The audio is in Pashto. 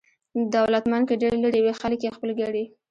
دولتمند که ډېر لرې وي، خلک یې خپل ګڼي.